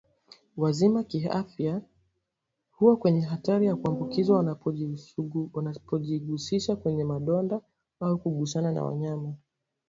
wazima kiafya huwa kwenye hatari ya kuambukizwa wanapojigusisha kwenye madonda au kugusana na wanyama